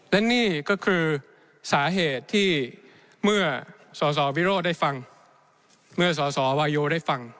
และนี่ก็คือสาเหตุที่เมื่อสสวิโรธได้ฟังเมื่อสสวายโยได้ฟัง